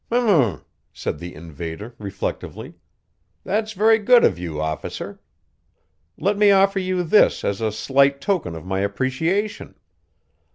"H'm," said the invader, reflectively. "That's very good of you, Officer. Let me offer you this as a slight token of my appreciation."